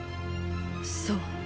そう。